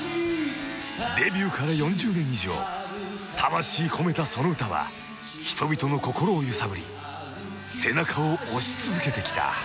［デビューから４０年以上魂込めたその歌は人々の心を揺さぶり背中を押し続けてきた］